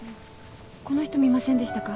この人見ませんでしたか？